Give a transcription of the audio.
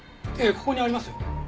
ここにありますよ。